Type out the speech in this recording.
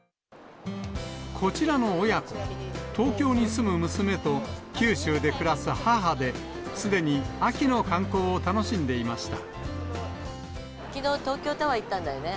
こちらの親子、東京に住む娘と九州で暮らす母で、すでに秋の観光を楽しんでいましきのう、東京タワー行ったんだよね？